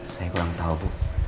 saya kurang tahu bu